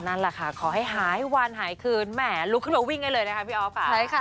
นั่นแหละค่ะขอให้หายวันหายคืนแหมลุกขึ้นมาวิ่งได้เลยนะคะพี่อ๊อฟ